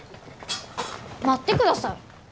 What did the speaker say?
待ってください。